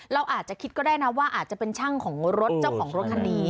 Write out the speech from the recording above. เราอาจจะคิดก็ได้นะว่าอาจจะเป็นช่างของรถเจ้าของรถคันนี้